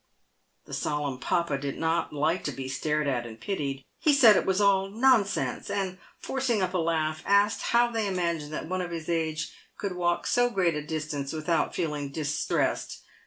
The solemn papa did not like to be stared at and pitied. He said it was all nonsense, and, forcing up a laugh, asked how they imagined that one of his age could walk so great a distance without feeling dis tressed